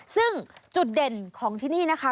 ซึ่งจุดเด่นของที่นี่นะคะ